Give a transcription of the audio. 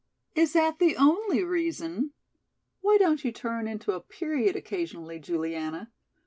"Is that the only reason?" "Why don't you turn into a period occasionally, Juliana?